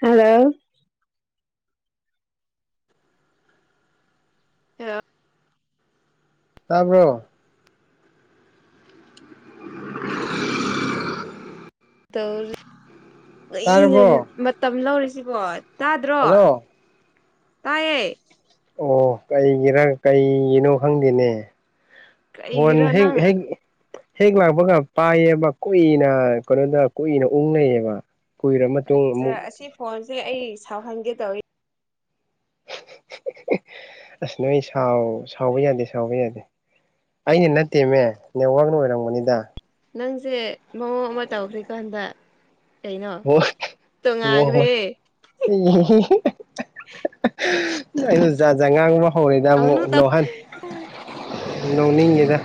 hello hello ꯇꯥꯕ꯭ꯔꯣ [inaudible] ꯇꯧ ꯑꯩꯅ ꯇꯥꯔꯕꯣ ꯃꯇꯝ ꯂꯧꯔꯤꯁꯤꯕꯣ ꯇꯥꯗ꯭ꯔꯣ ꯍꯜꯂꯣ ꯇꯥꯏꯌꯦ ꯑꯣ ꯀꯩꯒꯤꯔ ꯀꯩꯒꯤꯅꯣ ꯈꯪꯗꯦꯅꯦ ꯐꯣꯟ ꯀꯩꯒꯤꯔꯣ ꯍꯦꯛ ꯍꯦꯛ ꯅꯪ ꯍꯦꯛ ꯂꯥꯛꯄꯒ ꯄꯥꯏꯌꯦꯕ ꯀꯨꯏꯅ ꯀꯩꯅꯣꯗ ꯀꯨꯏꯅ ꯎꯪꯂꯩꯌꯦꯕ ꯑ ꯑꯁꯤ ꯐꯣꯟꯁꯦ ꯑꯩ ꯁꯥꯎꯍꯟꯒꯦ ꯇꯧꯋꯦ ꯑꯁ ꯅꯣꯏ ꯁꯥꯎꯕ ꯌꯥꯗꯦ ꯁꯥꯎꯕ ꯌꯥꯗꯦ ꯑꯩꯅ ꯅꯠꯇꯦꯃꯦ ꯅꯦꯠꯋꯥꯛꯅ ꯑꯣꯏꯔꯝꯒꯕꯅꯤꯗ ꯅꯪꯁꯦ ꯃꯑꯣꯡ ꯑꯃ ꯇꯧꯈ꯭ꯔꯤꯀꯥꯟꯗ ꯑꯣ ꯃꯣꯍ ꯇꯣꯉꯥꯟꯈ꯭ꯔꯦ [unintelligible] ꯑꯩꯅ ꯖꯥꯠꯖꯥꯠ ꯉꯥꯡꯕ ꯍꯧꯔꯦꯗ ꯇꯧꯅꯨ ꯑꯃꯨꯛ ꯇꯧ ꯅꯧꯍꯟ ꯅꯣꯛꯅꯤꯡꯉꯤꯗ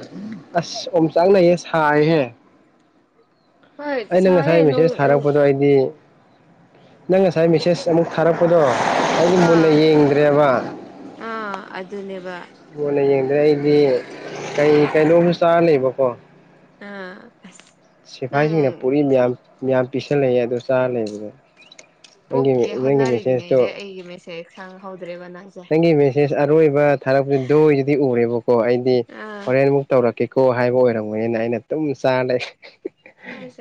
ꯑꯁ ꯑꯣꯝ ꯆꯥꯛꯅꯩꯌꯦ ꯁꯥꯏꯍꯦ ꯍꯣꯏ ꯑꯩꯅ ꯉꯁꯥꯏ ꯁꯥꯏꯌꯦ ꯅꯣꯡ ꯃꯦꯁꯦꯖ ꯅꯣꯡ ꯊꯥꯔꯛꯄꯗꯣ ꯑꯩꯗꯤ ꯅꯪ ꯉꯁꯥꯏ ꯃꯦꯁꯦꯖ ꯑꯃꯨꯛ ꯊꯥꯔꯛꯄꯗꯣ ꯑꯩꯗꯤ ꯃꯨꯟꯅ ꯑꯥ ꯌꯦꯡꯗ꯭ꯔꯦꯕ ꯑꯥ ꯑꯗꯨꯅꯦꯕ ꯃꯨꯟꯅ ꯌꯦꯡꯗ꯭ꯔꯦ ꯑꯩꯗꯤ ꯀꯩ ꯀꯩꯅꯣꯝꯁꯨ ꯆꯥꯔ ꯂꯩꯕꯀꯣ ꯑꯥ ꯅꯪ ꯁꯤꯐꯥꯏꯁꯤꯡꯅ ꯄꯨꯔꯤ ꯃꯌꯥꯝ ꯃꯌꯥꯝ ꯄꯤꯁꯜꯂꯛꯑꯦ ꯑꯗꯨ ꯆꯥꯔ ꯂꯩꯕꯗ ꯄꯣꯛꯀꯦ ꯍꯣꯠꯅꯔꯤꯉꯩꯗ ꯑꯩꯒꯤ ꯃꯦꯁꯦꯖ ꯈꯪꯍꯧꯗ꯭ꯔꯦꯕ ꯅꯪ ꯅꯪꯒꯤ ꯃꯦꯁꯦꯁ ꯑꯔꯣꯏꯕ ꯊꯥꯔꯛꯄꯁꯤ ꯑꯔꯣꯏꯕꯗꯨꯗꯤ ꯎꯔꯦꯕꯀꯣ ꯑꯩꯗꯤ ꯑꯥ ꯍꯣꯔꯦꯟꯃꯨꯛ ꯇꯧꯔꯛꯀꯦꯀꯣ ꯍꯥꯏꯕ ꯑꯣꯏꯔꯝꯕꯅꯤꯅ ꯑꯩꯅ ꯑꯗꯨꯨꯝ ꯆꯥꯔ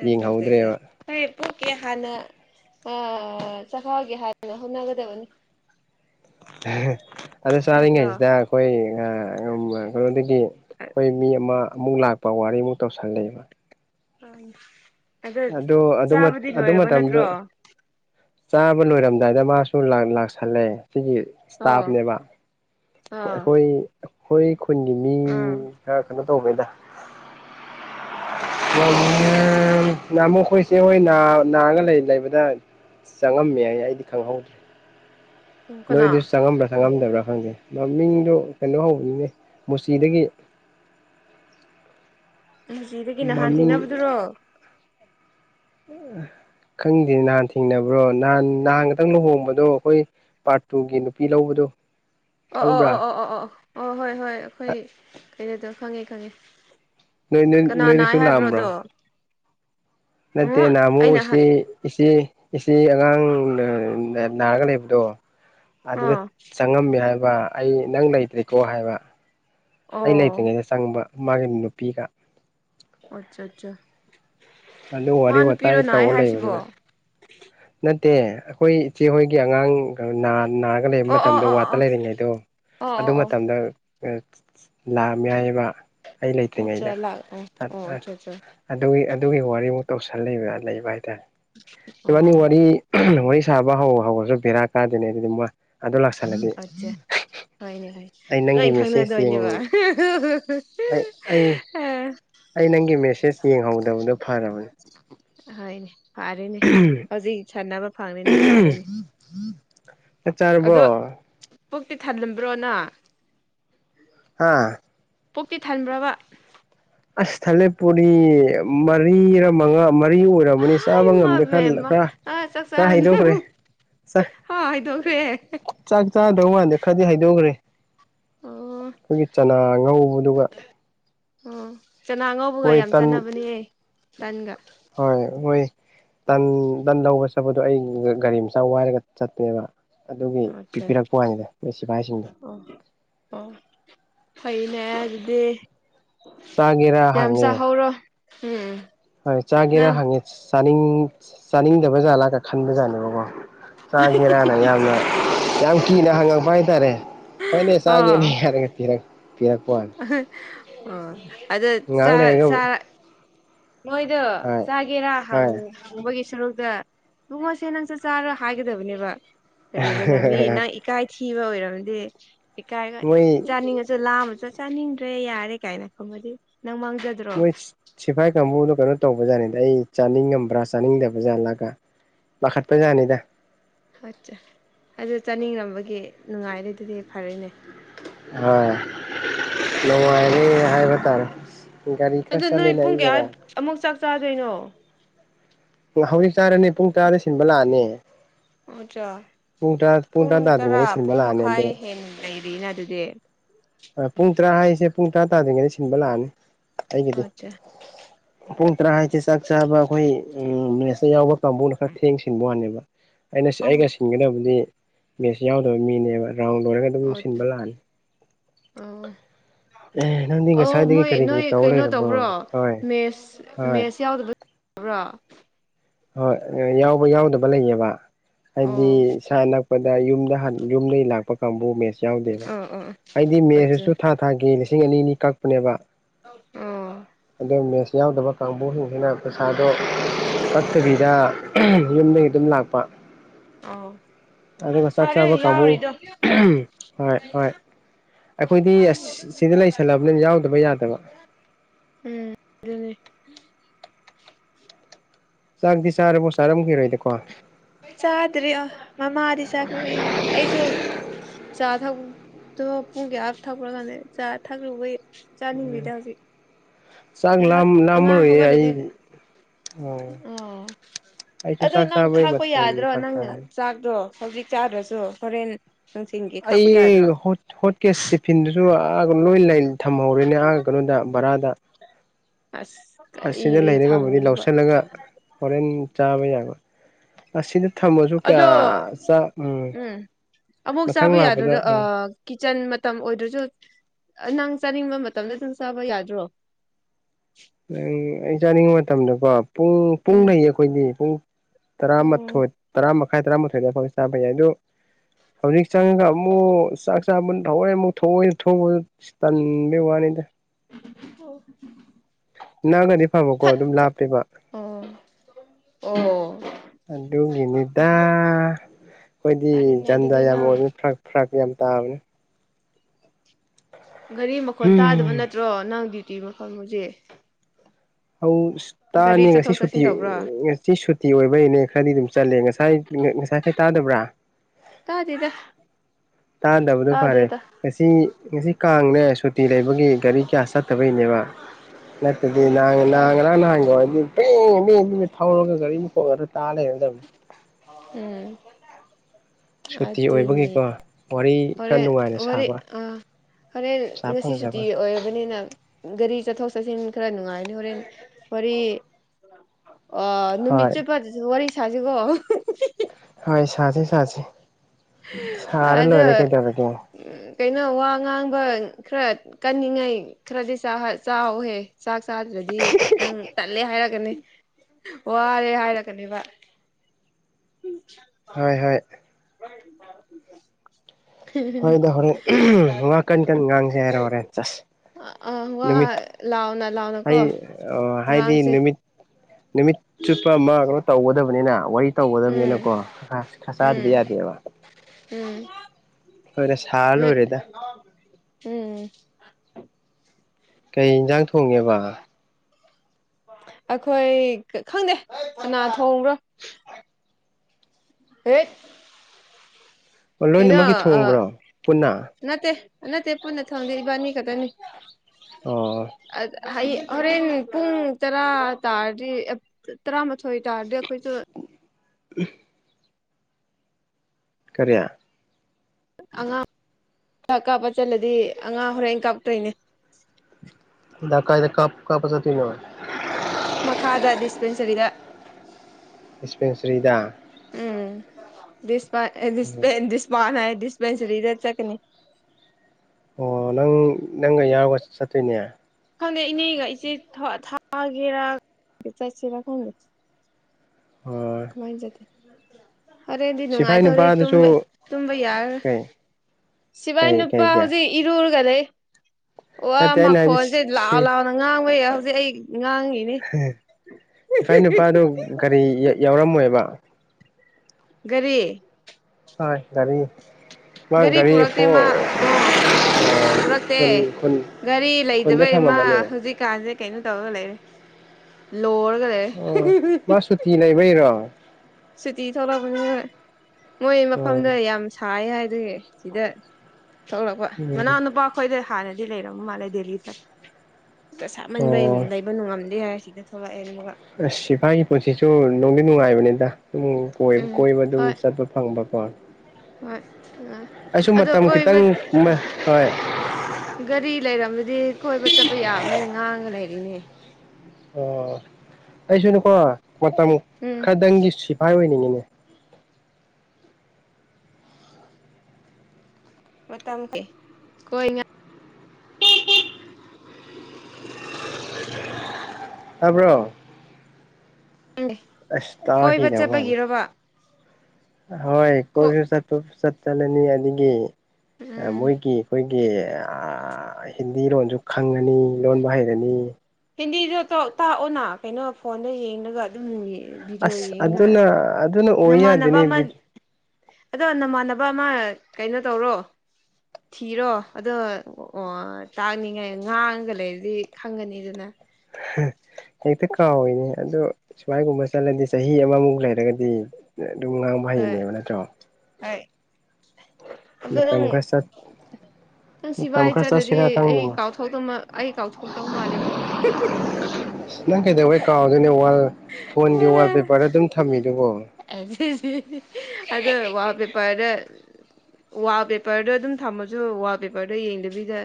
ꯌꯦꯡꯍꯧꯗ꯭ꯔꯦꯕ ꯑꯣ ꯆꯥꯕꯒꯤ ꯍꯥꯟꯅ ꯍꯣꯠꯅꯒꯗꯕꯅꯤ ꯑꯗ ꯅꯠꯇ꯭ꯔꯣ ꯆꯥꯔꯤꯉꯩꯁꯤꯗ ꯑꯩꯈꯣꯏ ꯑꯗꯨꯗꯒꯤ ꯑꯩꯈꯣꯏ ꯃꯤ ꯑꯃ ꯑꯃꯨꯛ ꯂꯥꯛꯄ ꯋꯥꯔꯤꯃꯨꯛ ꯇꯧꯁꯜꯂꯛꯑꯦꯕ ꯑ ꯑꯗꯨ ꯑꯗꯨ ꯑꯗꯨ ꯃꯇꯝꯗꯣ ꯅꯠꯇ꯭ꯔꯣ ꯆꯥꯕ ꯂꯣꯏꯔꯝꯗꯥꯏꯗ ꯃꯥꯁꯨ ꯂꯥꯛꯁꯜꯂꯦ ꯁꯤꯒꯤ ꯑꯣ ꯏꯁꯇꯥꯞꯅꯦꯕ ꯑꯥ ꯑꯩꯈꯣꯏ ꯑꯩꯈꯣꯏ ꯈꯨꯟꯒꯤ ꯃꯤ ꯍꯥꯏꯔꯀꯅ ꯇꯧꯕꯗ ꯑꯗꯨꯅꯦ ꯅꯍꯟꯃꯨꯛ ꯈꯣꯏꯆꯦ ꯍꯣꯏ ꯅꯥꯔꯒ ꯂꯩꯕꯗ ꯆꯪꯉꯝꯃꯦ ꯑꯩꯗꯤ ꯈꯪꯍꯧꯗ꯭ꯔꯦ ꯀꯅꯥ ꯅꯣꯏꯗꯨꯁꯨ ꯆꯪꯉꯝꯕ꯭ꯔꯥ ꯆꯪꯉꯝꯗꯕ꯭ꯔꯥ ꯈꯪꯗꯦ ꯃꯃꯤꯡꯗꯨ ꯀꯩꯅꯣ ꯍꯧꯕꯅꯤꯅꯦ ꯃꯨꯆꯤꯗꯒꯤ ꯁꯤꯗꯒꯤ ꯅꯍꯥꯟ ꯃꯃꯤꯡ ꯊꯦꯡꯅꯕꯗꯨꯔꯣ ꯈꯪꯗꯦ ꯅꯍꯥꯟ ꯊꯦꯡꯅꯕ꯭ꯔꯣ ꯅꯍꯥꯟ ꯅꯍꯥꯟ ꯈꯛꯇꯪ ꯂꯨꯍꯣꯡꯕꯗꯣ ꯑꯩꯈꯣꯏ ꯄꯥꯔꯠ ꯇꯨꯒꯤ ꯅꯨꯄꯤ ꯂꯧꯕꯗꯨ ꯑꯣ ꯑꯣ ꯑꯣ ꯑꯣ ꯑꯣ ꯑꯣ ꯑꯣ ꯍꯣꯏ ꯍꯣꯏ ꯑꯩꯈꯣꯏ ꯀꯩꯅꯣꯗ ꯈꯪꯉꯦ ꯈꯪꯉꯦ ꯅꯣꯏ ꯀꯅꯥ ꯅꯥꯏ ꯅꯣꯏꯗꯁꯨ ꯂꯥꯛꯑꯝꯕ꯭ꯔꯣ ꯍꯥꯏꯕ꯭ꯔꯣꯗꯣ ꯅꯠꯇꯦ ꯎꯝ ꯅꯍꯥꯟꯃꯨꯛ ꯑꯩꯅ ꯍꯥꯏ ꯏꯆꯦ ꯏꯆꯦ ꯏꯁꯤ ꯑꯉꯥꯡ ꯅꯥꯔꯒ ꯂꯩꯕꯗꯣ ꯑꯗꯨꯗ ꯑꯣ ꯆꯪꯉꯝꯃꯦ ꯍꯥꯏꯕ ꯑꯩ ꯅꯪ ꯂꯩꯇ꯭ꯔꯤꯀꯣ ꯍꯥꯏꯕ ꯑꯩ ꯑꯣ ꯂꯩꯇ꯭ꯔꯤꯉꯩꯗ ꯆꯪꯕ ꯃꯥꯒꯤ ꯅꯨꯄꯤꯒ ꯑꯠꯆꯥ ꯑꯠꯆꯥ ꯑꯗꯨ ꯃꯥ ꯋꯥꯔꯤ ꯋꯥꯇꯥꯏ ꯅꯨꯄꯤꯔꯣ ꯅꯥꯏ ꯍꯥꯏ ꯇꯧꯔ ꯍꯥꯏꯁꯤꯕꯣ ꯂꯩꯕꯗꯨꯗ ꯅꯠꯇꯦ ꯑꯩꯈꯣꯏ ꯏꯆꯦꯍꯣꯏꯒꯤ ꯑꯉꯥꯡ ꯂꯩꯕ ꯑꯣ ꯑꯣ ꯃꯇꯝꯗ ꯑꯣ ꯑꯣ ꯋꯥꯔꯗꯠꯇ ꯑꯣ ꯂꯩꯔꯤꯉꯩꯗꯣ ꯑꯣ ꯑꯗꯨ ꯑꯣ ꯑꯣ ꯃꯇꯝꯗ ꯂꯥ ꯃꯌꯥꯏꯕ ꯑꯩ ꯂꯩꯇ꯭ꯔꯤꯉꯩꯗ ꯑꯣ ꯂꯥꯛ ꯑꯣ ꯑꯣ ꯑꯆꯥ ꯑꯆꯥ ꯑꯗꯨꯒꯤ ꯑꯗꯨꯒꯤ ꯋꯥꯔꯤꯃꯨ ꯇꯧꯁꯜꯜꯂꯤꯕ ꯂꯩꯕ ꯍꯥꯏꯇꯥꯔꯦ ꯎ [inaudible] ꯏꯕꯥꯅꯤ ꯋꯥꯔꯤ ꯋꯥꯔꯤ ꯁꯥꯕ ꯍꯧꯔ ꯍꯧꯔꯁꯨ ꯕꯦꯔꯥ ꯀꯥꯗꯅꯦ ꯑꯗꯨꯗꯤ ꯃꯣꯏ ꯑꯗꯨ ꯂꯥꯛꯁꯜꯂꯗꯤ ꯑꯆꯥ ꯍꯣꯏꯅꯦ ꯍꯣꯏ ꯑꯩ ꯅꯪꯒꯤ ꯂꯣꯏ ꯃꯦꯁꯦꯖ ꯌꯦꯡ ꯈꯪꯅꯗꯣꯏꯅꯦꯕ ꯑꯩ ꯑꯩ ꯑ ꯑꯩ ꯅꯪꯒꯤ ꯃꯦꯁꯦꯁ ꯌꯦꯡꯍꯧꯗꯕꯗꯣ ꯐꯔꯕꯅꯦ ꯍꯣꯏꯅꯦ ꯐꯔꯤꯅꯦ ꯍꯧꯖꯤꯛ ꯁꯥꯟꯅꯕ ꯐꯪꯅꯤꯅꯦ ꯐꯔꯤꯅꯦ ꯆꯥꯛ ꯆꯥꯔꯕꯣ ꯑꯗꯣ ꯄꯨꯛꯇꯤ ꯊꯜꯂꯝꯕ꯭ꯔꯣꯅ ꯍꯥꯥ ꯄꯣꯛꯇꯤ ꯊꯟꯕ꯭ꯔꯕ ꯑꯁ ꯊꯂꯦ ꯄꯨꯔꯤ ꯃꯔꯤꯔ ꯃꯉꯥ ꯃꯔꯤ ꯑꯣꯏ ꯅꯤ ꯆꯥꯕ ꯍꯥꯏꯃ ꯉꯝꯗꯦ ꯈꯔ ꯕꯦꯝꯃ ꯈꯔ ꯈꯔ ꯍꯩꯗꯣꯛꯈ꯭ꯔꯦ ꯆꯥꯛ ꯍꯣꯏ ꯍꯥꯏꯗꯧꯔꯦ ꯆꯥꯛ ꯆꯥꯗꯧ ꯃꯥꯟꯗꯦ ꯈꯔꯗꯤ ꯍꯥꯏꯗꯣꯛꯈ꯭ꯔꯦ ꯑꯣ ꯑꯩꯈꯣꯏꯒꯤ ꯆꯅꯥ ꯉꯧꯕꯗꯨꯒ ꯑꯣ ꯆꯅꯥꯉꯧꯕꯒ ꯃꯣꯏ ꯌꯥꯝ ꯇꯟ ꯆꯥꯟꯅꯕꯅꯦꯍ ꯇꯟꯒ ꯍꯣꯏ ꯍꯣꯏ ꯇꯟ ꯇꯟ ꯂꯧꯕ ꯆꯠꯄꯗꯣ ꯑꯩ ꯒꯥꯔꯤ ꯃꯆꯥ ꯋꯥꯏꯔꯒ ꯆꯠꯄꯅꯦꯕ ꯑꯗꯨꯒꯤ ꯑꯆꯥ ꯄꯤꯕꯤꯔꯛꯄ ꯍꯥꯏꯅꯤꯗ ꯅꯣꯏ ꯁꯤꯐꯥꯏꯁꯤꯡꯗꯣ ꯑꯣ ꯑꯣ ꯐꯩꯅꯦ ꯑꯗꯨꯗꯤ ꯆꯥꯒꯦꯔꯥ ꯌꯥꯝ ꯍꯪꯉꯦ ꯆꯥꯍꯧꯔꯣ ꯎꯝ ꯍꯣꯏ ꯆꯥꯒꯦꯔꯥ ꯅꯪ ꯍꯪꯉꯦꯥꯅꯤꯡ ꯆꯥꯅꯤꯡꯗꯕ ꯖꯥꯠꯂꯥꯒ ꯈꯟꯕꯖꯥꯠꯅꯦꯕꯀꯣ ꯆꯥꯒꯦꯔꯥꯅ ꯌꯥꯝꯅ ꯌꯥꯝ ꯀꯤꯅ ꯍꯪꯉꯛꯄ ꯍꯥꯏꯇꯥꯔꯦ ꯍꯣꯏꯅꯦꯆꯒꯦꯅꯤ ꯌꯥꯔꯦꯒꯔ ꯑꯣ ꯑꯗ ꯉꯥꯏꯍꯥꯛ ꯆꯥꯔ ꯂꯩꯔꯒ ꯆꯥꯔꯥ ꯃꯣꯏꯗꯣ ꯍꯣꯏ ꯆꯥꯒꯦꯔꯥ ꯍꯥꯡ ꯍꯣꯏ ꯍꯣꯡꯕꯒꯤ ꯁꯔꯨꯛꯇ ꯊꯣꯡꯉꯁꯦ ꯅꯪ ꯆꯥꯛ ꯆꯥꯔ ꯍꯥꯏꯒꯗꯕꯅꯦꯕ ꯀꯔꯤꯔꯣ ꯅꯃꯤ ꯅꯪ ꯏꯀꯥꯏ ꯊꯤꯕ ꯑꯣꯏꯔꯝꯗꯦ ꯏꯀꯥꯏꯒ ꯃꯣꯏ ꯆꯥꯅꯤꯡꯉꯁꯨ ꯂꯥꯝꯃꯁꯨ ꯆꯥꯅꯤꯡꯗ꯭ꯔꯦ ꯌꯥꯔꯦ ꯀꯥꯏꯅ ꯈꯪꯃꯗꯤ ꯅꯪ ꯃꯥꯡꯖ ꯃꯣꯏ ꯁꯤꯐꯥꯏ ꯀꯥꯡꯕꯨꯗꯣ ꯀꯩꯅꯣ ꯇꯧꯕꯖꯥꯠꯅꯤꯗ ꯑꯩ ꯆꯥꯅꯤꯡꯉꯝꯕ꯭ꯔꯥ ꯆꯥꯅꯤꯡꯗꯕꯖꯥꯠꯂꯒ ꯃ ꯃꯈꯠꯄꯖꯅꯤꯗ ꯑꯆꯥ ꯑꯗꯨ ꯆꯥꯅꯤꯡꯝꯕꯒꯤ ꯅꯨꯡꯉꯥꯏꯔꯦ ꯑꯗꯨꯗꯤ ꯐꯔꯦꯅꯦ ꯍꯣꯏ ꯅꯨꯡꯉꯥꯏꯅꯤ ꯍꯥꯏꯕ ꯇꯥꯔꯦ ꯒꯥꯔꯤ ꯈꯥ ꯑꯗꯨ ꯅꯣꯏ ꯄꯨꯡ ꯆꯂꯤꯅꯑꯩ ꯖꯒꯥ ꯀꯌꯥ ꯑꯃꯨꯛ ꯆꯥꯛ ꯆꯥꯗꯣꯏꯅꯣ ꯍꯧꯖꯤꯛ ꯆꯥꯔꯅꯤ ꯄꯨꯡ ꯇꯔꯥꯗ ꯁꯤꯟꯕ ꯂꯥꯛꯑꯅꯤ ꯑꯆꯥꯥ ꯄꯨꯡ ꯇꯔꯥ ꯄꯨꯡ ꯇꯔꯥ ꯇꯥꯗ꯭ꯔꯤꯉꯩꯗ ꯁꯤꯟꯕ ꯄꯨꯡ ꯂꯥꯛꯑꯅꯤ ꯑꯗꯣ ꯃꯈꯥꯏ ꯍꯦꯟ ꯂꯩꯔꯤꯅ ꯑꯗꯨꯗꯤ ꯄꯨꯡ ꯇꯔꯥ ꯍꯥꯏꯔꯤꯁꯦ ꯄꯨꯡ ꯇꯔꯥ ꯇꯥꯗ꯭ꯔꯤꯉꯩꯗ ꯁꯤꯟꯕ ꯂꯥꯛꯑꯅꯤ ꯑꯩꯒꯤꯗꯤ ꯑꯠꯆꯥ ꯄꯨꯡ ꯇꯔꯥ ꯍꯥꯏꯁꯦ ꯆꯥꯛ ꯆꯥꯕ ꯑꯩꯈꯣꯏ ꯃꯦꯁꯇ ꯌꯥꯎꯕ ꯀꯥꯡꯥꯕꯨꯅ ꯈꯔ ꯊꯦꯡ ꯁꯤꯟꯕ ꯋꯥꯅꯦꯕ ꯑꯩꯅ ꯑꯣ ꯑꯩꯒ ꯁꯤꯟꯒꯗꯕꯗꯤ ꯃꯕꯦꯠꯁ ꯌꯥꯎꯗꯕ ꯃꯤꯅꯦꯕ ꯔꯥꯎꯟ ꯂꯣꯏꯔꯒ ꯑꯗꯨꯝ ꯑꯣ ꯁꯤꯟꯕ ꯂꯥꯛꯑꯅꯤ ꯑꯣ ꯑꯦ ꯅꯪꯗꯤ ꯑꯣ ꯉꯁꯥꯏꯗꯒꯤ ꯃꯣꯏ ꯀꯔꯤ ꯀꯔꯤ ꯅꯣꯏ ꯇꯧ ꯀꯩꯅꯣ ꯂꯩꯔꯕꯣ ꯇꯧꯕ꯭ꯔꯣ ꯍꯣꯏ ꯃꯦꯁ ꯍꯣꯏ ꯃꯦꯁ ꯌꯥꯎꯗꯕ ꯌꯥꯕ꯭ꯔꯣ ꯍꯣꯏ ꯌꯥꯎꯕ ꯌꯥꯎꯗꯕ ꯂꯩꯌꯦꯕ ꯍꯥꯏꯗꯤ ꯑꯣ ꯁꯥꯟꯅꯛꯄꯗ ꯌꯨꯝꯗ ꯌꯨꯝꯗꯒꯤ ꯂꯥꯛꯄ ꯀꯛꯄ ꯀꯥꯡꯕꯨ ꯃꯦꯠꯆ ꯌꯥꯎꯗꯦꯕ ꯑꯣ ꯑꯣ ꯍꯥꯏꯗꯤ ꯃꯦꯠꯆꯁꯤꯁꯨ ꯑꯆꯥ ꯊꯥ ꯊꯥꯒꯤ ꯂꯤꯁꯤꯡ ꯑꯅꯤ ꯑꯅꯤ ꯀꯛꯄꯅꯦꯕ ꯑꯣ ꯑꯗꯣ ꯃꯦꯁ ꯌꯥꯎꯗꯕ ꯀꯥꯡꯕꯨꯁꯤꯡꯁꯤꯅ ꯄꯩꯁꯥꯗꯣ ꯎ [inaudible] ꯐꯠꯇꯕꯤꯗ ꯌꯨꯝꯗꯒꯤ ꯑꯗꯨꯝ ꯂꯥꯛꯄ ꯑꯣ ꯑꯗꯨ ꯆꯥꯛ ꯆꯥꯕ ꯐꯔꯦ ꯀꯕꯨꯨ ꯌꯥꯎꯔꯤꯗꯣ ꯅꯪ ꯍꯣꯢ ꯍꯣꯢ ꯑꯩꯈꯣꯏꯗꯤ ꯑꯁ ꯁꯤꯗ ꯂꯩꯁꯜꯂꯑꯕꯅꯤꯅ ꯌꯥꯎꯗꯕ ꯌꯥꯗꯕ ꯎꯝ ꯑꯗꯨꯅꯦ ꯆꯥꯛꯗꯤ ꯆꯥꯔꯕꯨ ꯆꯥꯔꯝꯈꯤꯔꯣꯏꯗꯀꯣ ꯆꯥꯗ꯭ꯔꯔꯤ ꯃꯃꯥꯗꯤ ꯆꯥꯈ꯭ꯔ ꯑꯩ ꯑꯩꯁꯨ ꯆꯥ ꯊꯒꯗꯣ ꯄꯨꯡꯒꯦ ꯊꯒ꯭ꯔꯥꯅ ꯆ ꯊꯒ꯭ꯔꯩ ꯆꯅꯤꯡꯗꯗ ꯍꯧꯖꯤꯛ ꯆꯥꯡ ꯉꯥꯏꯍꯥꯛ ꯑꯉꯥꯡ ꯂꯅꯥꯃꯨꯌꯦ ꯑꯩ ꯍꯧꯒꯠꯂꯗꯤ ꯎ ꯑꯣ ꯑꯗꯣ ꯑꯩꯁꯨꯨ ꯅꯪ ꯈꯥꯛꯄ ꯁꯥꯕꯣꯏꯕꯠꯇ ꯌꯥꯗ꯭ꯔꯣ ꯊ ꯅꯪ ꯇꯔ ꯆꯥꯛꯇꯣ ꯍꯧꯖꯤꯛ ꯆꯥꯗ꯭ꯔꯁꯨ ꯍꯣꯔꯦꯟ ꯅꯨꯡꯊꯤꯟꯒꯤ ꯑꯩ ꯈꯥꯛꯄ ꯌꯥꯗ꯭ꯔꯣ ꯍꯣꯠ ꯍꯣꯠ ꯀꯦꯁꯇꯦ ꯐꯤꯟꯗꯨꯁꯨ ꯑꯥ ꯂꯣꯏ ꯊꯝꯍꯧꯔꯦꯅꯦ ꯑꯥꯒ ꯀꯩꯅꯣꯗ ꯕꯔꯥꯗ ꯑꯁ ꯑꯁꯤꯗ ꯀꯔꯤꯒꯤ ꯂꯩꯔꯒꯕꯨꯗꯤ ꯊꯝꯃꯤꯅꯣꯕ ꯂꯧꯁꯤꯜꯂꯒ ꯍꯣꯔꯦꯟ ꯆꯥꯕ ꯌꯥꯕ ꯑꯁꯤꯗ ꯊꯝꯃꯁꯨ ꯑꯗꯣ ꯀꯌꯥ ꯎꯝ ꯑꯃꯨꯛ ꯃꯊꯪ ꯆꯥꯕ ꯂꯥꯛꯄꯗ ꯌꯥꯗꯗ ꯑ ꯎꯝ ꯀꯤꯠꯆꯟ ꯃꯇꯝ ꯑꯣꯏꯗ꯭ꯔꯁꯨ ꯑ ꯅꯪ ꯆꯥꯅꯤꯡꯕ ꯃꯇꯝꯗ ꯑꯗꯨꯝ ꯆꯥꯕ ꯌꯥꯗ꯭ꯔꯣ ꯑꯩ ꯆꯥꯅꯤꯡꯕ ꯃꯇꯝꯗꯀꯣ ꯄꯨꯡ ꯄꯨꯡ ꯎꯝ ꯂꯩꯌꯦ ꯑꯩꯈꯣꯏꯗꯤ ꯄꯨꯡ ꯎꯝ ꯇꯔꯥꯃꯥꯊꯣꯏ ꯇꯔꯥ ꯃꯈꯥꯏ ꯇꯔꯥꯃꯥꯊꯣꯏꯗꯐꯥꯎ ꯆꯥꯕ ꯌꯥꯏ ꯑꯗꯨ ꯍꯧꯖꯤꯛ ꯆꯪꯉꯒ ꯑꯃꯨꯛ ꯆꯥꯛ ꯆꯥꯕ ꯊꯑꯣꯏ ꯑꯃꯨꯛ ꯊꯑꯣꯏꯅ ꯊꯣꯡꯕ ꯁꯤꯇꯥꯟꯕꯩ ꯋꯥꯅꯤꯗ ꯍ [inaudible] ꯅꯥꯒꯗꯤ ꯐꯃꯀꯣ ꯑꯗꯨꯝ ꯂꯥꯞꯄꯦꯕ ꯑꯣ ꯑꯣ ꯑꯗꯨꯒꯤꯅꯤꯗ ꯑꯩꯈꯣꯏꯗꯤ ꯐꯔꯦꯅꯦ ꯖꯟꯖꯥ ꯑꯗꯨꯗꯤ ꯌꯥꯝ ꯅꯪ ꯑꯣꯏꯕ ꯐ꯭ꯔꯛ ꯐꯔꯥꯛ ꯌꯥꯝ ꯇꯥꯑꯕꯅꯤꯅꯦ ꯒꯥꯔꯤ ꯃꯈꯣꯟ ꯇꯥꯗꯕ ꯍꯝ ꯅꯠꯇ꯭ꯔꯣ ꯅꯪ ꯗ꯭ꯌꯨꯇꯤ ꯃꯐꯝ ꯍꯧꯁꯛ ꯍꯧ ꯒꯥꯔꯤ ꯇꯥꯅꯤ ꯉꯁꯤ ꯆꯠꯊꯣꯛ ꯆꯠꯁꯤꯟ ꯁꯨꯤ ꯇꯧꯕ꯭ꯔꯣ ꯉꯁꯤ ꯁꯨꯇꯤ ꯑꯣꯏꯕꯩꯅꯦ ꯈꯔꯗꯤ ꯑꯗꯨꯝ ꯆꯠꯂꯦ ꯉꯁꯥꯏ ꯉꯁꯥꯏ ꯈꯩ ꯇꯥꯗꯕ꯭ꯔꯥ ꯇꯥꯗꯦꯗꯥ ꯇꯥꯗꯕꯗꯨ ꯐꯔꯦ ꯉꯁꯤ ꯉꯁꯤ ꯀꯥꯡꯅꯦ ꯁꯨꯇꯤ ꯂꯩꯕꯒꯤ ꯒꯥꯔꯤ ꯀꯌꯥ ꯆꯠꯇꯕꯩꯅꯦꯕ ꯅꯠꯇꯗꯤꯍ ꯎꯝ ꯅꯍꯥꯟ ꯇꯥꯗꯦ ꯉꯔꯥꯡ ꯅꯍꯥꯟꯒ ꯍꯥꯏꯗꯤ ꯑꯦꯅꯦꯅꯦ ꯊꯥꯎꯔꯒ ꯀꯒꯥꯔꯤ ꯀꯔ ꯇꯥꯜꯂꯦ ꯍꯥꯏꯦꯟꯗꯕꯅꯤ ꯎꯝ ꯁꯨꯇꯤ ꯑꯗꯨꯅꯦ ꯑꯣꯏꯕꯒꯤꯀꯣ ꯋꯥꯔꯤ ꯈꯔ ꯍꯣꯔꯦꯟ ꯅꯨꯡꯉꯥꯏꯅ ꯋꯥꯔꯤ ꯁꯥꯕ ꯍꯣꯔꯦꯟ ꯄꯩꯁꯥ ꯉꯁꯤ ꯁꯨꯇꯤ ꯐꯪꯖꯕꯅꯤ ꯑꯣꯏꯔꯕꯅꯤꯅ ꯒꯥꯔꯤ ꯆꯠꯊꯣꯛ ꯆꯠꯁꯤꯟ ꯈꯔ ꯅꯨꯡꯉꯥꯏꯅꯤ ꯍꯣꯔꯦꯟ ꯍꯣꯔꯦ ꯑ ꯅꯨꯃꯤꯠ ꯍꯣꯏ ꯆꯨꯞꯄꯗꯁꯨ ꯋꯥꯔꯤ ꯁꯥꯁꯤꯀꯣ ꯍꯣꯏ ꯁꯥꯁꯦ ꯁꯥꯁꯦ ꯁꯥꯔ ꯑꯗꯣ ꯂꯣꯏꯔꯦ ꯀꯩꯗꯧꯔꯥꯒꯦ ꯀꯩꯅꯣ ꯋꯥ ꯉꯥꯡꯕ ꯈꯔ ꯀꯅꯤꯡꯉꯥꯏ ꯈꯔꯗꯤ ꯆꯥꯛ ꯆꯥꯍꯦ ꯆꯥꯛ ꯆꯥꯗ꯭ꯔꯗꯤ ꯅꯪ ꯇꯠꯂꯦ ꯍꯥꯏꯔꯒꯅꯤ ꯋꯥꯔꯦ ꯍꯥꯏꯔꯛꯀꯅꯤꯕ ꯍꯣꯏ ꯍꯣꯏ ꯔ [unintelligible] ꯍꯣꯏꯗ ꯍꯣꯔꯦꯟ ꯉ ꯀꯟ ꯀꯟ ꯉꯥꯡꯁꯦ ꯍꯥꯏꯔꯣ ꯍꯣꯔꯦꯟ ꯆꯁ ꯑꯥ ꯋꯥ ꯅꯨꯃꯤꯠ ꯂꯥꯎꯅ ꯍꯥꯏ ꯂꯥꯎꯅꯀꯣ ꯑ ꯍꯥꯏꯗꯤ ꯉꯥꯡꯁꯦ ꯅꯨꯃꯤꯠ ꯅꯨꯃꯤꯠ ꯆꯨꯞꯄ ꯑꯃ ꯀꯩꯅꯣ ꯇꯧꯒꯗꯕꯅꯤꯅ ꯋꯥꯔꯤ ꯎꯝ ꯇꯧꯒꯗꯕꯅꯤꯅꯀꯣ ꯈꯆꯥꯥꯗꯨꯗꯤ ꯌꯥꯗꯦꯕ ꯎꯝ ꯑꯩꯈꯣꯏꯅ ꯁꯥꯔ ꯂꯣꯏꯔꯦꯗ ꯎꯝ ꯎꯝ ꯀꯩ ꯌꯦꯟꯖꯥꯡ ꯊꯣꯡꯉꯦꯕ ꯑꯩꯈꯣꯏ ꯈꯪꯗꯦ ꯀꯅꯥ ꯊꯣꯡꯕ꯭ꯔꯣ ꯑꯦ ꯑꯣ ꯀꯩꯅꯣ ꯂꯣꯏꯅꯃꯛꯀꯤ ꯑ ꯊꯣꯡꯕ꯭ꯔꯣ ꯄꯨꯟꯅ ꯅꯠꯇꯦ ꯅꯠꯇꯦ ꯄꯨꯟꯅ ꯊꯪꯗꯦ ꯏꯕꯥꯅꯤ ꯈꯛꯇꯅꯤ ꯑꯣ ꯌꯦ ꯍꯣꯔꯦꯟ ꯄꯨꯡ ꯇꯔꯥ ꯇꯥꯔꯗꯤ ꯇꯔꯥ ꯃꯊꯣꯏ ꯇꯥꯔꯗ ꯑꯩꯈꯣꯏ ꯆ [unintelligible] ꯀꯔꯤ ꯑꯉꯥꯡ ꯊ ꯀꯥꯞꯄ ꯆꯠꯂꯗꯤ ꯑꯉꯥꯡ ꯍꯣꯔꯦꯟ ꯀꯥꯞꯇꯣꯏꯅꯦ ꯗꯗꯥ ꯀꯥꯏꯗ ꯀꯞ ꯀꯥ ꯆ ꯊꯅꯉ ꯃꯈꯥꯗ ꯗꯤꯁꯄꯦꯟꯁꯔꯤꯗ ꯗꯤꯁꯄꯦꯟꯁꯔꯤꯗ ꯎꯝꯄꯄꯁꯄꯥꯟ ꯍꯥꯏꯗꯤꯁꯄꯦꯟꯁꯔꯤꯗ ꯆꯀꯅꯤ ꯑꯣ ꯅꯪ ꯅꯪꯒ ꯌꯥꯎꯒ ꯆꯠꯇꯣꯏꯅꯦ ꯈꯪꯗꯦ ꯏꯅꯦꯒ ꯏꯆꯦ ꯊꯥꯒꯦꯔꯥ ꯆꯠꯁꯤꯔꯥ ꯈꯪꯗꯦ ꯑꯣ ꯀꯃꯥꯏꯅꯦ ꯐꯔꯦꯟꯗꯤ ꯁꯤꯐꯥꯏ ꯅꯨꯡꯉꯥꯏꯗꯧꯔꯤ ꯅꯨꯄꯥꯗꯨꯁꯨ ꯇꯨꯝꯕ ꯌꯥꯔ ꯀꯩ ꯁꯤꯋꯥꯥꯏ ꯀꯩ ꯅꯨꯄꯥ ꯀꯩꯒꯤ ꯍꯧꯖꯤꯛ ꯏꯔꯨꯒꯅꯦ ꯑꯣ ꯅꯠꯇꯦ ꯑꯩꯅ ꯍꯥꯏꯕꯗꯤ ꯃꯈꯣꯟꯁꯦ ꯂꯥꯎ ꯁꯤ ꯂꯥꯎꯅ ꯉꯥꯡꯕ ꯌꯥ ꯍꯧꯖꯤꯛ ꯑꯩ ꯉꯥꯡꯉꯤ ꯁꯤꯐꯥꯏ ꯅꯨꯄꯥꯗꯨꯣ ꯒꯥꯔꯤ ꯌꯥꯎꯔꯝꯃꯣꯏꯕ ꯒꯥꯔꯤ ꯍꯥꯏ ꯕꯤꯕꯤ ꯒꯥꯔꯤ ꯄꯨꯔꯛꯇꯦ ꯃꯥ ꯎ ꯄꯨꯔꯛꯇꯦ ꯈꯨꯟ ꯈꯨꯟ ꯒꯥꯔꯤ ꯈꯨꯟꯗ ꯂꯩꯗꯕꯩ ꯏꯃꯥ ꯊꯝꯃꯝꯃꯅꯤ ꯍꯧꯖꯤꯛ ꯀꯥꯖꯦ ꯀꯩꯅ ꯇꯧ ꯂꯩꯔꯦ ꯂꯣꯒꯔꯦ ꯑꯣ ꯃꯥ ꯁꯨꯇꯤ ꯂꯩꯕꯩꯔꯣ ꯁꯨꯇꯤ ꯊꯣꯛꯂꯛꯄꯅꯤ ꯍꯣꯏ ꯃꯣꯏ ꯃꯐꯝꯗ ꯎꯝ ꯌꯥꯝ ꯁꯥꯏꯌꯦ ꯍꯥꯏꯗꯨꯒꯤ ꯁꯤꯗ ꯊꯣꯛꯂꯛꯄ ꯃꯅꯥꯎꯅꯨꯄꯥ ꯑꯩꯈꯣꯏꯗ ꯍꯥꯟꯅꯗꯤ ꯂꯩꯔꯝꯕ ꯃꯥꯜꯂꯦ ꯗꯦꯜꯂꯤꯗ ꯑꯁꯃꯟꯕ ꯑꯣ ꯂꯩꯕ ꯉꯝꯗꯦ ꯍꯥꯏꯁꯤꯗ ꯊꯂ ꯌꯦꯜꯃꯒ ꯑꯁ ꯁꯤꯐꯥꯏꯒꯤ ꯄꯨꯟꯁꯤꯁꯨ ꯅꯨꯡꯗꯤ ꯅꯨꯡꯉꯥꯏꯕꯅꯤꯗ ꯑꯗꯨꯝ ꯀꯣꯏꯕ ꯎꯝ ꯀꯣꯏꯕ ꯑꯗꯨꯝ ꯍꯣꯏ ꯆꯠꯄ ꯐꯪꯕ ꯑꯣ ꯍꯣꯏ ꯑ ꯑꯩꯁꯨ ꯃꯇꯝ ꯈꯤꯇꯪ ꯍꯣꯏ ꯒꯥꯔꯤ ꯂꯩꯔꯝꯝꯕꯗꯤ ꯀꯣꯏꯕ ꯆꯠꯄ ꯌꯥꯕꯅꯦꯅ ꯉꯥꯡꯉꯒ ꯂꯩꯔꯤꯅꯦ ꯑꯣ ꯑꯩꯁꯨꯅꯦꯀꯣ ꯃꯇꯝ ꯎꯝ ꯈꯔꯗꯪꯒꯤ ꯁꯤꯐꯥꯏ ꯑꯣꯏꯅꯤꯡꯉꯤꯅꯦ ꯍ ꯃꯇꯝ ꯀꯣꯏ ꯉ ꯇꯥꯕ꯭ꯔꯣ ꯪ ꯑꯁ ꯀꯣꯏꯕ ꯇꯥꯈꯤꯗꯕ ꯋꯥꯅꯤ ꯆꯠꯄꯒꯤꯔꯕ ꯍꯣꯏ ꯀꯣ ꯀꯣꯚꯌ ꯆꯠꯄ ꯆꯠ ꯆꯂꯅꯤ ꯑꯒꯤ ꯎꯝ ꯃꯣꯏꯒꯤ ꯑꯩꯈꯣꯏ ꯒꯤ ꯍꯤꯟꯗꯤ ꯂꯣꯟꯁꯨ ꯈꯪꯉꯅꯤ ꯂꯣꯟꯕ ꯍꯩꯔꯅꯤ ꯍꯤꯟꯗꯤꯗ ꯇꯥꯛꯑꯣꯅ ꯀꯩꯅꯣ ꯐꯣꯟꯗ ꯌꯦꯡꯉꯒ ꯑꯗꯨꯝ ꯕꯤꯗꯤꯑꯣ ꯑꯁ ꯌꯦꯡꯒ ꯑꯗꯨꯅ ꯑꯗꯨꯅ ꯑꯣꯏ ꯅꯃꯥꯟꯅꯕ ꯌꯥꯗꯦꯅꯦ ꯑꯃ ꯑꯗꯣ ꯅꯃꯥꯟꯅꯕ ꯑꯃ ꯀꯩꯅꯣ ꯇꯧꯔꯣ ꯊꯤꯔꯣ ꯑꯗꯣ ꯑꯣ ꯇꯥꯛꯅꯤꯉꯥꯏ ꯉꯥꯡꯉꯒ ꯂꯩꯔꯤꯗꯤ ꯈꯪꯒꯅꯤꯗꯅ ꯍꯦꯛꯇ ꯀꯥꯎꯏꯅꯦ ꯑꯗꯣ ꯁꯨꯃꯥꯏꯒꯨꯝꯕ ꯆꯠꯂꯗꯤ ꯆꯍꯤ ꯑꯃꯃꯨꯛ ꯂꯩꯔꯒꯗꯤ ꯑꯗꯨꯝ ꯉꯥꯡꯕ ꯍꯣꯏ ꯍꯩꯕ ꯅꯠꯇ꯭ꯔꯣ ꯍꯣꯏ ꯑꯗꯣ ꯅꯪ ꯃꯇꯝ ꯈꯔ ꯆꯠ ꯅꯪ ꯁꯤ ꯃꯇꯝ ꯚꯥꯏ ꯈꯔ ꯆꯠꯂꯗꯤ ꯆꯠꯁꯤꯔꯥ ꯑꯩ ꯈꯪꯗꯦꯅꯦ ꯀꯥꯎꯊꯣꯛꯇꯧ ꯑꯩ ꯀꯥꯎꯊꯣꯛꯇꯧ ꯃꯥꯜꯂꯦꯕꯣ ꯅꯪ ꯀꯩꯗꯧꯕꯩ ꯀꯥꯎꯗꯣꯏꯅꯦ ꯐꯣꯟꯒꯤ ꯋꯥꯜꯄꯦꯄꯔꯗ ꯑꯗꯨꯝ ꯊꯝꯃꯤꯗꯨꯕꯣ ꯑꯗꯣ ꯋꯥꯜꯄꯦꯕꯔꯗ ꯋꯥꯜ ꯄꯦꯄꯔꯗꯣ ꯑꯗꯨꯝ ꯊꯝꯃꯁꯨ ꯋꯥꯜ ꯄꯦꯄꯔꯗꯣ ꯌꯦꯡꯗꯕꯤꯗ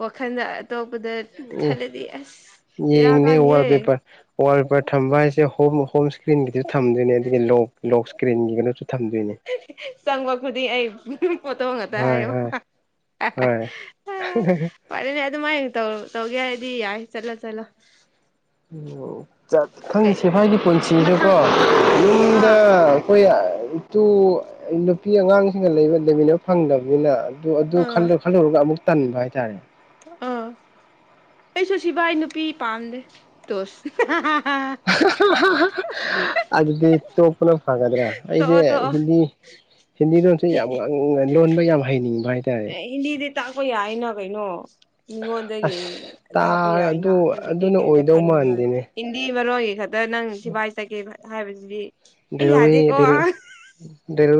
ꯋꯥꯈꯜꯗ ꯑꯇꯣꯞꯄꯗ ꯈꯜꯂꯗꯤ ꯑꯁ ꯑꯦ ꯕꯦꯔꯥ ꯌꯦꯉꯦ ꯀꯥꯅꯤꯌꯦ ꯋꯥꯜꯄꯦꯄꯔ ꯋꯥꯜ ꯄꯦꯄꯔ ꯊꯝꯕ ꯍꯥꯏꯁꯦ ꯍꯣꯝ ꯍꯣꯝ ꯏꯁꯀ꯭ꯔꯤꯟꯒꯤꯗꯨꯁꯨ ꯊꯝꯗꯣꯏꯅꯦ ꯑꯗꯒꯤ ꯂꯣꯛ ꯂꯣꯛ ꯏꯁꯀ꯭ꯔꯤꯟꯒꯤꯒꯅꯁꯨ ꯊꯝꯗꯣꯏꯅꯦ ꯆꯪꯕ ꯈꯨꯗꯤꯡ ꯑꯩ ꯄꯣꯠꯇꯣ ꯉꯛꯗ ꯍꯣꯏ ꯍꯣꯏ ꯍꯣꯏ ꯐꯔꯦꯅꯦ ꯑꯗꯨꯃꯥꯏꯅꯧꯔ ꯇꯧꯒꯦ ꯍꯥꯏꯔꯗꯤ ꯌꯥꯏ ꯆꯠꯂ ꯆꯠꯂꯣ ꯑꯣ ꯈꯪꯉ ꯀꯩ ꯁꯤꯦꯐꯥꯏꯒꯤ ꯄꯨꯟꯁꯤꯁꯨ ꯃꯊꯪ ꯀꯣ ꯃꯤꯗ ꯑꯥ ꯑꯩꯈꯣꯏ ꯏꯇꯨ ꯅꯨꯄꯤ ꯑꯉꯥꯡꯁꯤꯡꯒ ꯂꯩꯕ ꯂꯩꯃꯤꯟꯅꯕ ꯐꯪꯗꯕꯅꯤꯅ ꯑꯗꯨ ꯑꯗꯨ ꯑꯥ ꯈꯜꯂꯨꯔꯒ ꯑꯃꯨꯛ ꯇꯟꯕ ꯍꯥꯏꯇꯥꯔꯦ ꯑ ꯑꯩꯁꯨ ꯁꯤꯚꯥꯏ ꯅꯨꯄꯤ ꯄꯥꯝꯗꯦ ꯇꯣ ꯍꯥ ꯍꯥ ꯑꯗꯨꯗꯤ ꯇꯣꯞꯄꯅ ꯐꯒꯗ꯭ꯔꯥ ꯑꯩꯁꯦ ꯇꯣꯛꯑꯣ ꯇꯣꯛꯑꯣ ꯍꯤꯟꯗꯤ ꯍꯤꯟꯗꯤꯂꯣꯟꯁꯦ ꯌꯥꯝ ꯉꯥꯡ ꯎ ꯂꯣꯟꯕ ꯌꯥꯝ ꯍꯩꯅꯤꯡꯕ ꯍꯥꯏꯇꯥꯔꯦ ꯍꯤꯟꯗꯤ ꯇꯥꯛꯄꯥ ꯌꯥꯏꯅ ꯀꯩꯅꯣ ꯃꯤꯉꯣꯟꯗꯒꯤ ꯑꯁ ꯇꯥ ꯇꯥꯛꯄ ꯌꯥꯏꯅ ꯑꯗꯨ ꯑꯗꯨꯗꯒꯤ ꯑꯗꯨꯅ ꯀꯩꯝꯇ ꯑꯣꯏꯗꯧ ꯈꯟꯒꯅꯨ ꯃꯥꯟꯗꯦꯅꯦ ꯍꯤꯟꯗꯤ ꯃꯔꯣꯟꯒꯤ ꯈꯛꯇ ꯅꯪ ꯁꯤꯐꯥꯏ ꯆꯠꯒꯦ ꯍꯥꯏꯕꯁꯤꯗꯤ ꯑꯩ ꯗꯔꯕꯤ ꯌꯥꯗꯦꯀꯣ ꯗ ꯗꯦꯔ ꯑ